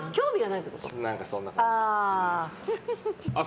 何かそんな感じ。